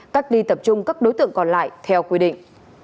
tắt đi tập trung các đối tượng còn lại theo quy định